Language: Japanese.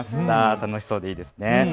楽しそうでいいですね。